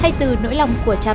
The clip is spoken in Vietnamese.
thay từ nỗi lòng của cha mẹ